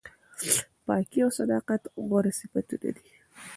پاکي او صداقت غوره صفتونه دي.